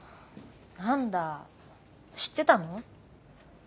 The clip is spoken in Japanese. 何だ知ってたの？